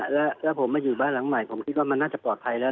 แล้วผมมาอยู่บ้านหลังใหม่ผมคิดว่ามันน่าจะปลอดภัยแล้ว